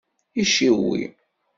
Iciwi.